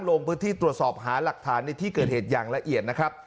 ลงพื้นที่ตรวจสอบหาหลักฐานในที่เกิดเหตุอย่างละเอียดนะครับ